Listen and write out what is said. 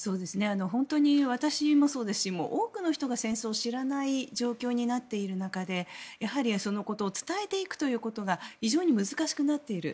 本当に私もそうですし本当の人が戦争を知らない状況になっている中でやはり、そのことを伝えていくということが非常に難しくなっている。